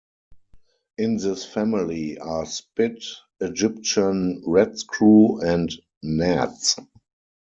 In this family are Spit, Egyptian Ratscrew, and Nertz.